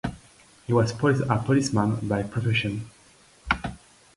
He was a policeman by profession.